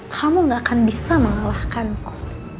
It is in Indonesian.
kamu gak akan bisa mengalahkanku